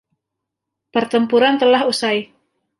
Pertempuran telah usai.